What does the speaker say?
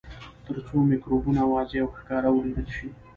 تر څو مکروبونه واضح او ښکاره ولیدل شي.